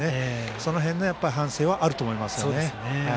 その辺の反省はあると思います。